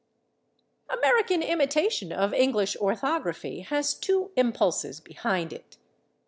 American imitation of English orthography has two impulses behind it.